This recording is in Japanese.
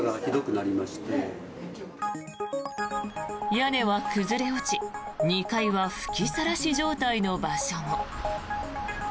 屋根は崩れ落ち２階は吹きさらし状態の場所も。